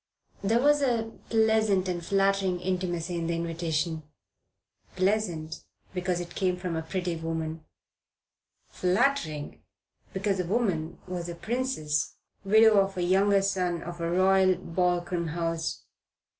There was a pleasant and flattering intimacy in the invitation: pleasant because it came from a pretty woman; flattering because the woman was a princess, widow of a younger son of a Royal Balkan house.